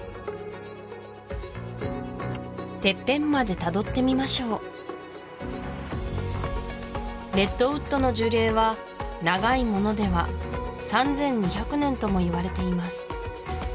てっぺんまでたどってみましょうレッドウッドの樹齢は長いものでは３２００年ともいわれています